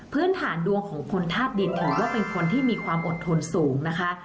พื้นฐานดวงของคนธาตุดินถือว่าเป็นคนที่มีความอดทนสูงนะคะ